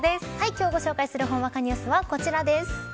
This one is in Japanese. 今日ご紹介するほんわかニュースはこちらです。